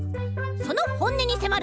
そのほんねにせまる！